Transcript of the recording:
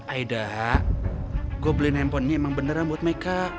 aida gue beliin handphone ini emang beneran buat meka